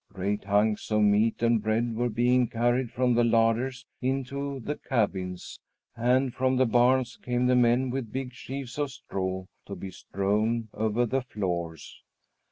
Great hunks of meat and bread were being carried from the larders into the cabins, and from the barns came the men with big sheaves of straw to be strewn over the floors.